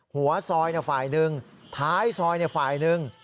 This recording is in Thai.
หัวซอยฝ่ายหนึ่งท้ายซอยฝ่ายหนึ่ง